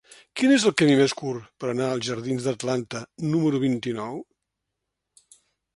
Quin és el camí més curt per anar als jardins d'Atlanta número vint-i-nou?